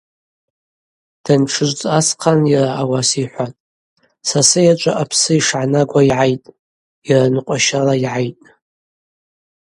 Дантшыжвцӏ асхъан йара ауаса йхӏватӏ: Са сыйачӏва апсы йшгӏанагуа йгӏайтӏ, йара ныкъващала йгӏайтӏ.